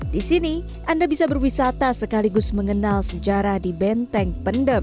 di sini anda bisa berwisata sekaligus mengenal sejarah di benteng pendem